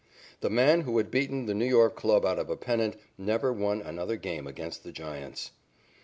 The man who had beaten the New York club out of a pennant never won another game against the Giants.